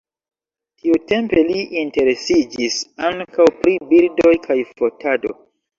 Tiutempe li interesiĝis ankaŭ pri birdoj kaj fotado.